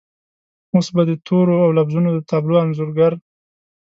اوس به د تورو او لفظونو د تابلو انځورګر